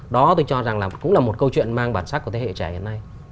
đó tôi cho rằng là cũng là một câu chuyện mang bản sắc của thế hệ trẻ hiện nay